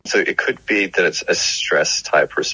jadi mungkin itu adalah respon tipe stres